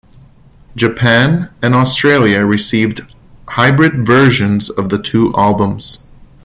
Japan and Australia received hybrid versions of the two albums.